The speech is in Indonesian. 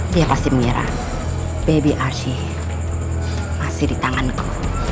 dia pasti mengira baby arsy masih di tanganku